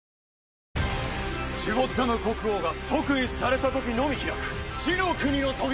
シュゴッダム国王が即位された時のみ開く死の国の扉。